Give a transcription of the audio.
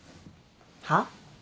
はっ？